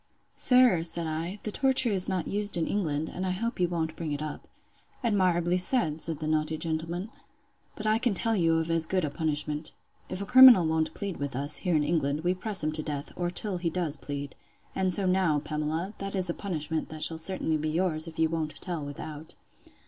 Sir, said I, the torture is not used in England, and I hope you won't bring it up. Admirably said! said the naughty gentleman.—But I can tell you of as good a punishment. If a criminal won't plead with us, here in England, we press him to death, or till he does plead. And so now, Pamela, that is a punishment shall certainly be yours, if you won't tell without.